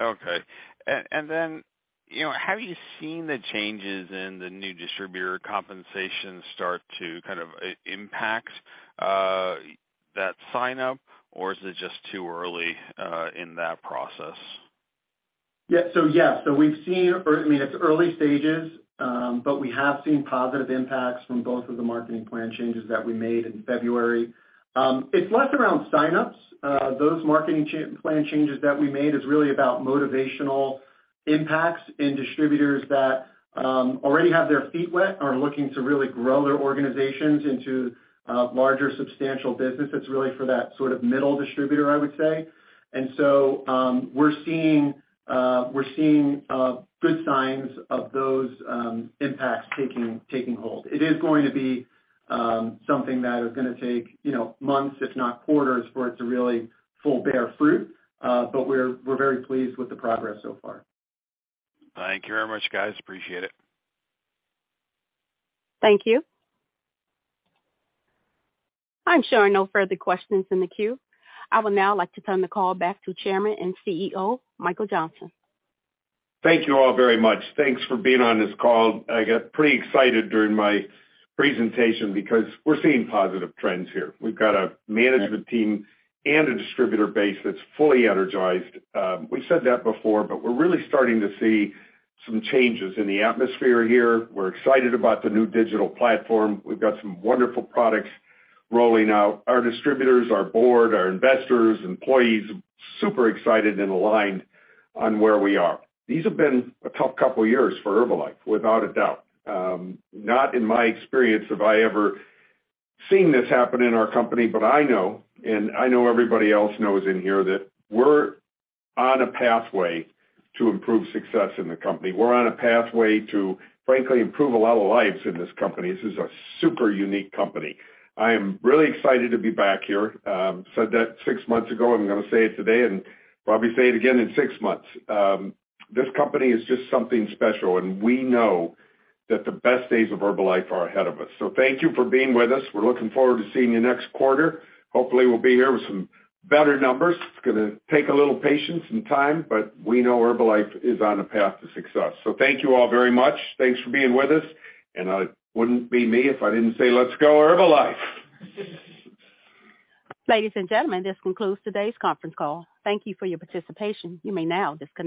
Okay. You know, have you seen the changes in the new distributor compensation start to kind of impact that sign-up, or is it just too early in that process? We've seen or I mean it's early stages, but we have seen positive impacts from both of the marketing plan changes that we made in February. It's less around sign-ups. Those marketing plan changes that we made is really about motivational impacts in distributors that already have their feet wet, are looking to really grow their organizations into a larger, substantial business. It's really for that sort of middle distributor, I would say. We're seeing good signs of those impacts taking hold. It is going to be something that is gonna take, you know, months, if not quarters, for it to really full bear fruit. We're very pleased with the progress so far. Thank you very much, guys. Appreciate it. Thank you. I'm showing no further questions in the queue. I would now like to turn the call back to Chairman and CEO, Michael Johnson. Thank you all very much. Thanks for being on this call. I got pretty excited during my presentation because we're seeing positive trends here. We've got a management team and a distributor base that's fully energized. We said that before, but we're really starting to see some changes in the atmosphere here. We're excited about the new digital platform. We've got some wonderful products rolling out. Our distributors, our board, our investors, employees, super excited and aligned on where we are. These have been a tough couple of years for Herbalife, without a doubt. Not in my experience have I ever seen this happen in our company, but I know, and I know everybody else knows in here, that we're on a pathway to improve success in the company. We're on a pathway to, frankly, improve a lot of lives in this company. This is a super unique company. I am really excited to be back here. Said that 6 months ago, and I'm gonna say it today and probably say it again in 6 months. This company is just something special, and we know that the best days of Herbalife are ahead of us. Thank you for being with us. We're looking forward to seeing you next quarter. Hopefully, we'll be here with some better numbers. It's gonna take a little patience and time, but we know Herbalife is on a path to success. Thank you all very much. Thanks for being with us. It wouldn't be me if I didn't say, let's go, Herbalife. Ladies and gentlemen, this concludes today's conference call. Thank you for your participation. You may now disconnect.